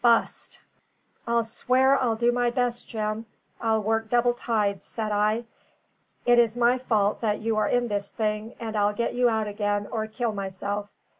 T. bust." "I'll swear I'll do my best, Jim; I'll work double tides," said I. "It is my fault that you are in this thing, and I'll get you out again or kill myself.